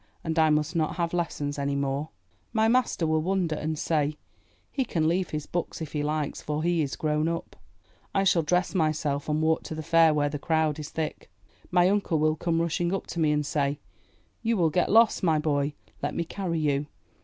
And I must not have lessons any more." My master will wonder and say, *'He can leave his books if he likes, for he is grown up." I shall dress myself and walk to the fair where the crowd is thick. My uncle will come rushing up to me and say, '*You will get lost, my boy. Let me carry you."